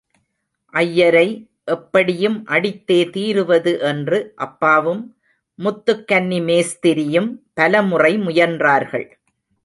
ஐயரை எப்படியும் அடித்தே தீருவது என்று அப்பாவும் முத்துக்கன்னி மேஸ்திரியும் பலமுறை முயன்றார்கள்.